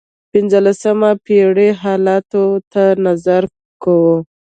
پنځلسمې پېړۍ حالاتو ته نظر کوو.